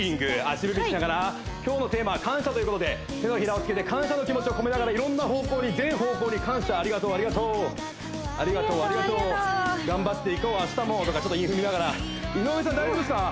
足踏みしながら今日のテーマは「感謝」ということで手のひらをつけて感謝の気持ちを込めながらいろんな方向に全方向に感謝ありがとうありがとうありがとうありがとう頑張っていこう明日もとかちょっと韻踏みながら井上さん大丈夫っすか？